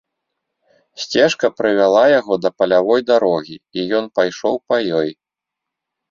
Сцежка прывяла яго да палявой дарогі, і ён пайшоў па ёй.